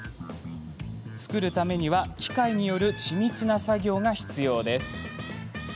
作るためには機械による緻密な作業が必要です。